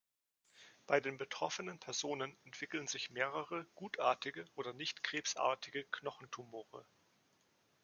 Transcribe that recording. Bei den betroffenen Personen entwickeln sich mehrere gutartige oder nicht krebsartige Knochentumore.